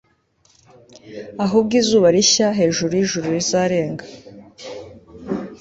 Ahubwo izuba rishya hejuru yijuru rizarenga